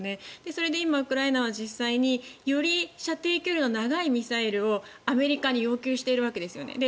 それで今、ウクライナは実際により射程距離の長いミサイルをアメリカに要求しているわけですよね。